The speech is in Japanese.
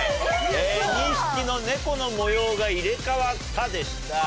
「２匹の猫の模様が入れ替わった」でした。